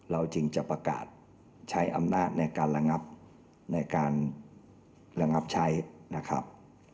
เราจริงจะประกาศใช้อำนาจในการระงับใช้นะครับ